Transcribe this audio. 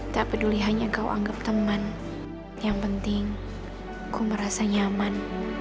tak peduli hanya kau anggap teman yang penting aku merasa nyaman